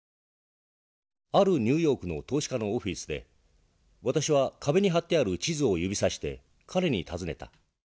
「あるニューヨークの投資家のオフィスで私は壁に貼ってある地図を指さして彼に訪ねた。